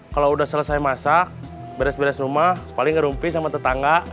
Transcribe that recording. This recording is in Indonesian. kalau udah selesai masak beres beres rumah paling rumpi sama tetangga